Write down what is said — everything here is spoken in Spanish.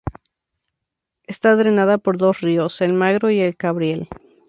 Está drenada por dos ríos: el Magro y el Cabriel.